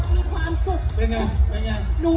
มีความสุข